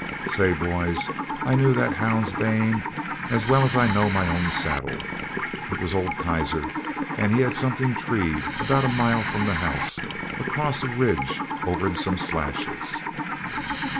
Say, boys, I knew that hound's baying as well as I know my own saddle. It was old Keiser, and he had something treed about a mile from the house, across a ridge over in some slashes.